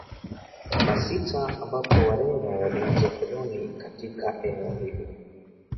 Na sita ambapo Wareno walianza ukoloni katika eneo hili